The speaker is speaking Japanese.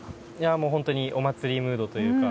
本当にお祭りムードというか。